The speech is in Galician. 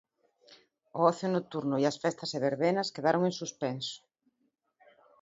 O ocio nocturno e as festas e verbenas quedaron en suspenso.